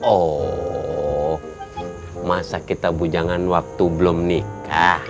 oh masa kita bujangan waktu belum nikah